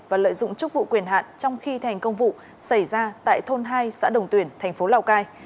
và lợi dụng chức vụ quyền hạn trong khi thành công vụ xảy ra tại thôn hai xã đồng tuyển thành phố lào cai